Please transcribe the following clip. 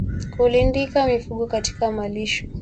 Kulindika mifugo katika malisho